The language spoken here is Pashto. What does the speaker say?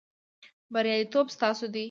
بریالیتوب ستاسو دی